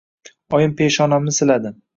Oyim peshonamni silaydi.